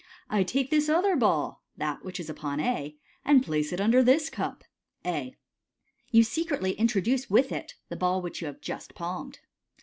" I take this other ball " (that which is upon A), "and place it under this cup" (A). You secretly introduce with it the ball which you have just palmed.